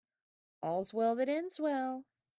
All's well that ends well.